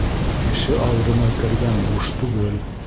Кеше ауыҙына кергән буш түгел.